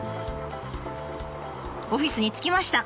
オフィスに着きました。